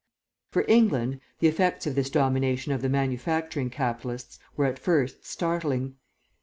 "For England, the effects of this domination of the manufacturing capitalists were at first startling.